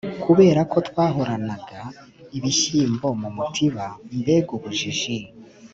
kubera ko twahoranaga ibishyimbo mu mutiba. mbega ubujiji!